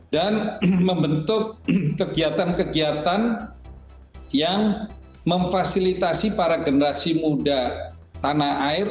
dan membentuk kegiatan kegiatan yang memfasilitasi para generasi muda tanah air